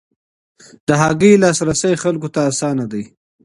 د هګۍ لاسرسی خلکو ته اسانه دی.